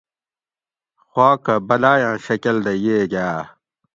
خواکہ بلایاۤں شکل دہ ییگا